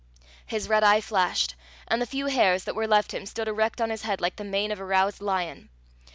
His red eye flashed, and the few hairs that were left him stood erect on his head like the mane of a roused lion.